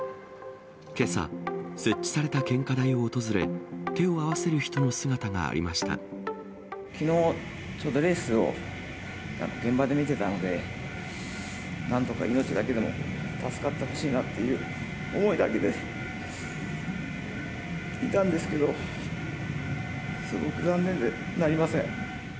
けさ、設置された献花台を訪れ、きのう、ちょうどレースを現場で見てたので、なんとか命だけでも助かってほしいなっていう思いだけでいたんですけど、すごく残念でなりません。